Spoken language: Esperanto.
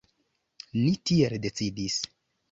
Ni tiel decidis.